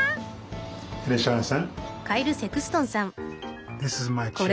いらっしゃいませ。